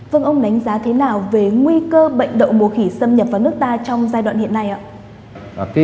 vâng ông đánh giá thế nào về nguy cơ bệnh đậu mùa khỉ xâm nhập vào nước ta trong giai đoạn hiện nay ạ